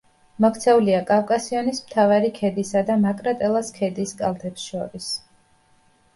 მოქცეულია კავკასიონის მთავარი ქედისა და მაკრატელას ქედის კალთებს შორის.